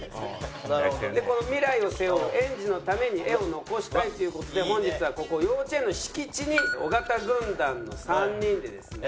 この未来を背負う園児のために画を残したいという事で本日はここ幼稚園の敷地に尾形軍団の３人でですね